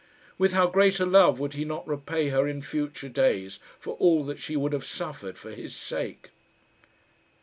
With how great a love would he not repay her in future days for all that she would have suffered for his sake?